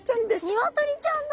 ニワトリちゃんだ。